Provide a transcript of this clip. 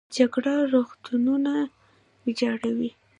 جګړه روغتونونه ویجاړوي